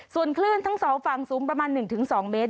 ส่วนคลื่นทั้งสองฝั่งสูงประมาณ๑๒เมตร